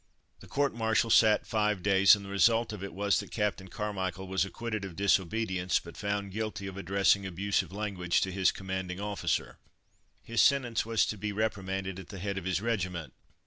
The court martial sat five days, and the result of it was that Captain Carmichael was acquitted of disobedience, but found guilty of addressing abusive language to his commanding officer. His sentence was "to be reprimanded at the head of his regiment."